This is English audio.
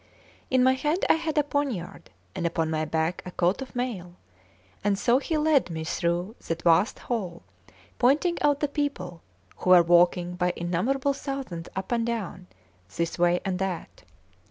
In my hand I had a poniard, and upon my back a coat of mail; and so he led me through that vast hall, pointing out the people who were walking by innumerable thousands up and down, this way and that.